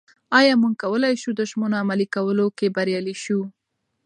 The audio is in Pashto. ایا موږ کولای شو د ژمنو عملي کولو کې بریالي شو؟